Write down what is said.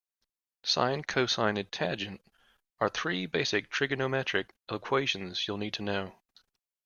Sine, cosine and tangent are three basic trigonometric equations you'll need to know.